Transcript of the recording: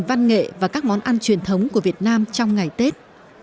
kệ và các món ăn truyền thống của việt nam trong ngày tết